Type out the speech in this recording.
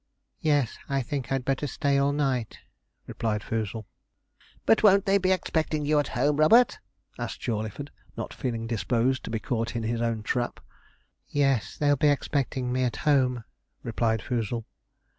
'Yes, I think I'd better stay all night,' replied Foozle. 'But won't they be expecting you at home, Robert?' asked Jawleyford, not feeling disposed to be caught in his own trap. 'Yes, they'll be expecting me at home,' replied Foozle.